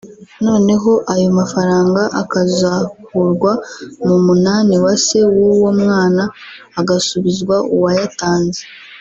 noneho ayo mafaranga akazakurwa mu munani wa se w’uwo mwana agasubizwa uwayatanze